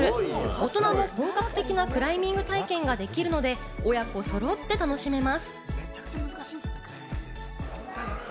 大人も本格的なクライミング体験ができるので、親子そろって楽しめます。